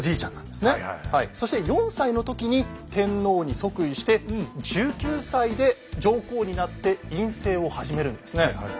そして４歳の時に天皇に即位して１９歳で上皇になって院政を始めるんですね。